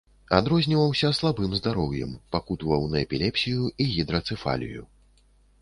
Адрозніваўся слабым здароўем, пакутаваў на эпілепсію і гідрацэфалію.